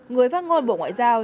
người phát ngôn bộ ngoại giao